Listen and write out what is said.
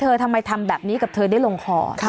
ทำไมทำแบบนี้กับเธอได้ลงคอ